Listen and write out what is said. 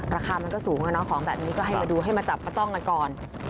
ราคามันก็สูงของแบบนี้ก็ให้มาดูให้มาจับป้าต้องกันก่อน